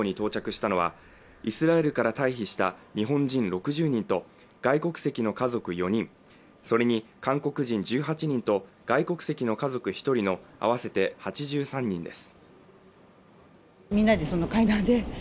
空中給油・輸送機で東京羽田空港に到着したのはイスラエルから退避した日本人６０人と外国籍の家族４人それに韓国人１８人と外国籍の家族一人の合わせて８３人です